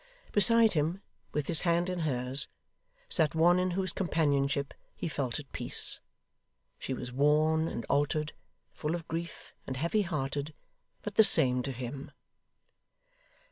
Beside him, with his hand in hers, sat one in whose companionship he felt at peace. She was worn, and altered, full of grief, and heavy hearted; but the same to him.